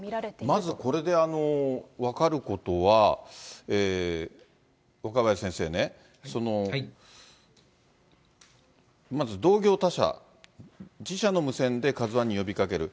まずこれで分かることは、若林先生ね、まず同業他社、自社の無線でカズワンに呼びかける。